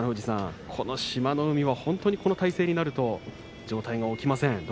この志摩ノ海も本当にこの体勢になると上体が起きません。